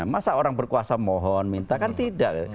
masa orang berkuasa mohon minta kan tidak